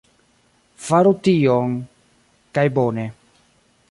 Faru tion... kaj bone...